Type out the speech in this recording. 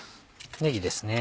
ねぎですね。